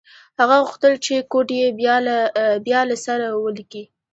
هغه غوښتل چې کوډ یې بیا له سره ولیکي